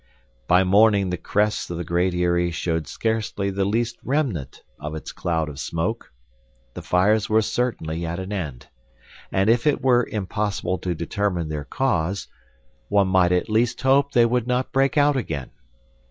By morning the crests of the Great Eyrie showed scarcely the least remnant of its cloud of smoke. The fires were certainly at an end; and if it were impossible to determine their cause, one might at least hope that they would not break out again.